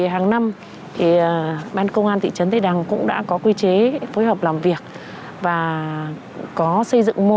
trong năm thì ban công an thị trấn tây đăng cũng đã có quy chế phối hợp làm việc và có xây dựng mô